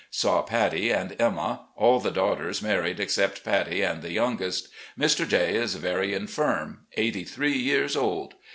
Saw Patty and Emma — ^all the daughters married except Patty and the youngest. Mr. J is very infirm — eighty three years old.